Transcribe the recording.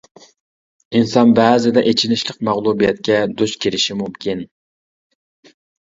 ئىنسان بەزىدە ئېچىنىشلىق مەغلۇبىيەتكە دۇچ كېلىشى مۇمكىن.